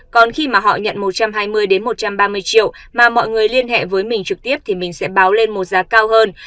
còn khi mà họ nhận một trăm hai mươi một trăm ba mươi triệu mà mọi người liên hệ với mình trực tiếp thì mình sẽ báo lên một giá cao hơn